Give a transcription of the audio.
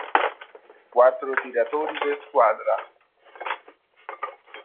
Quattro tiratori per squadra.